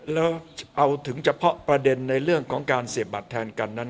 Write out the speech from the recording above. แล้วเอาถึงเฉพาะประเด็นในเรื่องของการเสียบบัตรแทนกันนั้น